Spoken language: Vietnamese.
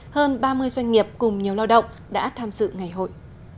hơn ba mươi doanh nghiệp cùng nhiều lao động đã tham dự ngày hội